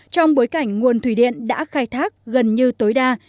trong bối cảnh nguồn thủy điện đã khai thác gần như tối đa